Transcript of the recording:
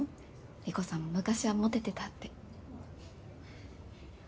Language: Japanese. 理子さんも昔はモテてたって。